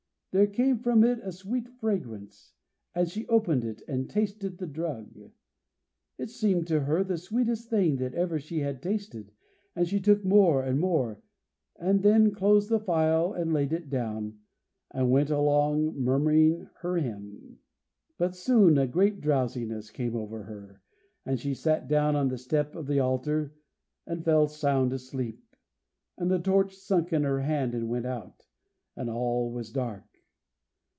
There came from it a sweet fragrance, and she opened it, and tasted the drug. It seemed to her the sweetest thing that ever she had tasted, and she took more and more, and then closed the phial and laid it down, and went along murmuring her hymn. But soon a great drowsiness came over her, and she sat down on the step of the altar, and fell sound asleep, and the torch sunk in her hand, and went out, and all was dark.